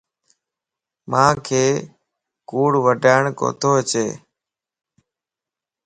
مانک ڪوڙ وڊاڻ ڪوتو اچي